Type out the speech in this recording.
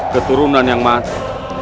keturunan yang mati